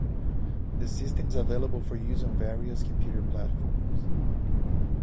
The system is available for use on various computer platforms.